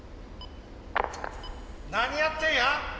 「何やってんや？